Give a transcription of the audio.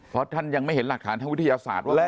เพราะท่านยังไม่เห็นหลักฐานทางวิทยาศาสตร์ว่า